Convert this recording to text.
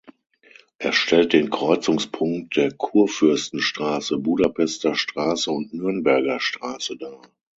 Er stellt den Kreuzungspunkt der Kurfürstenstraße, Budapester Straße und Nürnberger Straße dar.